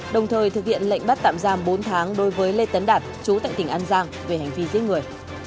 đồng thời thực hiện lệnh bắt tạm giam bốn tháng đối với lê tấn đạt chú tại tỉnh an giang về hành vi giết người